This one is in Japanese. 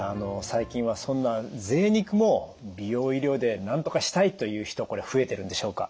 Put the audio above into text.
最近はそんなぜい肉も美容医療でなんとかしたいという人これ増えてるんでしょうか？